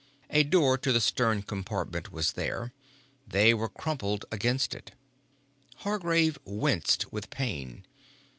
A door to the stern compartment was there. They were crumpled against it. Hargraves winced with pain.